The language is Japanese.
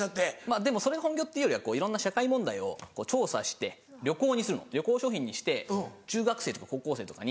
でもそれが本業っていうよりはいろんな社会問題を調査して旅行にする旅行商品にして中学生とか高校生とかに。